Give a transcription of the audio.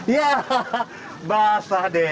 ya basah deh